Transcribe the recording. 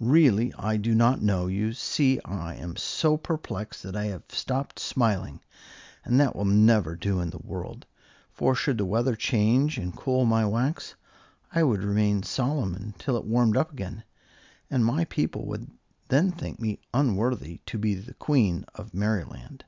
"Really, I do not know. You see, I am so perplexed that I have stopped smiling, and that will never do in the world; for should the weather change and cool my wax, I would remain solemn until it warmed up again, and my people would then think me unworthy to be the Queen of Merryland."